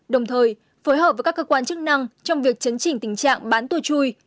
đồng thời phối hợp với các cơ quan chức năng trong việc chấn chỉnh tình trạng bán tua chui